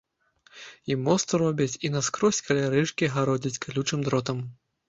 І мост робяць, і наскрозь каля рэчкі гародзяць калючым дротам.